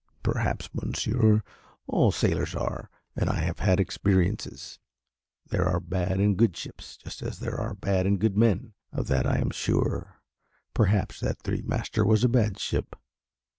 "Perhaps, monsieur; all sailors are, and I have had experiences. There are bad and good ships, just as there are bad and good men, of that I am sure. Perhaps that three master was a bad ship."